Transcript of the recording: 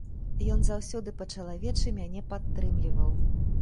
Ён заўсёды па-чалавечы мяне падтрымліваў.